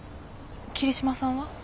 桐嶋さんは？